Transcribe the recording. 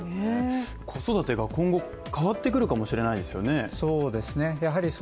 子育てが今後、変わってくるかもしれないですよね。